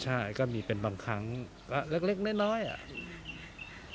ใช่ก็มีเป็นบางครั้งก็เล็กน้อยอ่ะ